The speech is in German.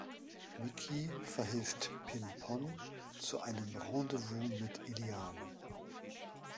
Mickey verhilft Pin-Pon zu einem Rendezvous mit Eliane.